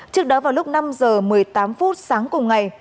trước đó vào lúc năm h một mươi tám phút sáng cùng ngày